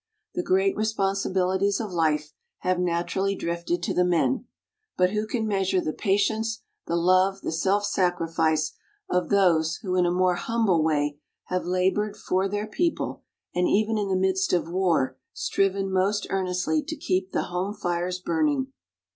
The great responsibilities of life have naturally drifted to the men; but who can measure the pa tience, the love, the self sacrifice of those who in a more humble way have labored for their people and even in the midst of war striven most earnestly to keep the home fires burning?